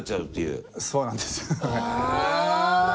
そうなんですよ。